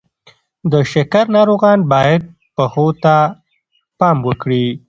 د شکر ناروغان باید پښو ته پام وکړي.